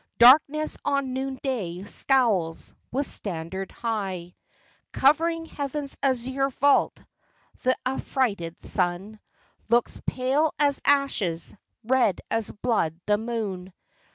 Darkness on noon day scowls, with standard high Covering heaven's azure vault; th' affrighted sun Looks pale as ashes, red as blood the moon.